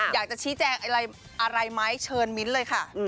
อยากจะชี้แจงอะไรไหมเชิญมิ้นเลยค่ะ